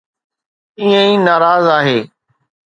ائين ئي ناراض آهي.